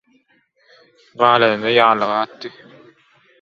galanyny ýalyga atdy